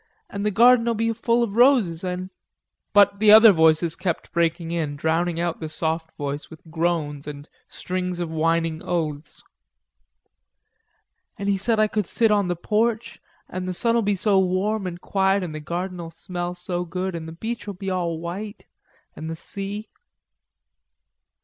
An' the garden'll be full of roses an'..." But the other voices kept breaking in, drowning out the soft voice with groans, and strings of whining oaths. "An' he said I could sit on the porch, an' the sun'll be so warm an' quiet, an' the garden'll smell so good, an' the beach'll be all white, an' the sea..."